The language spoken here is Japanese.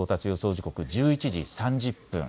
時刻、１１時３０分。